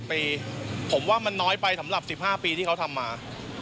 ผมว่ามันน้อยไปสำหรับ๑๕ปีที่เขาทำมา